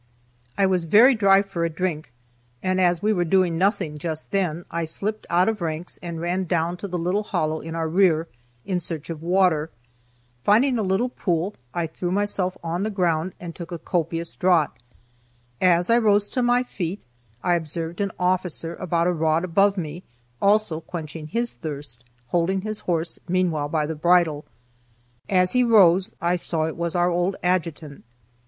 I was very dry for a drink, and as we were doing nothing just then, I slipped out of ranks and ran down to the little hollow in our rear, in search of water. Finding a little pool, I threw myself on the ground and took a copious draught. As I rose to my feet, I observed an officer about a rod above me also quenching his thirst, holding his horse meanwhile by the bridle. As he rose I saw it was our old adjutant.